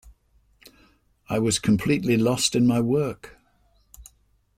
I was completely lost in my work.